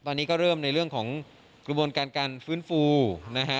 ตอนนี้ก็เริ่มในเรื่องของกระบวนการการฟื้นฟูนะฮะ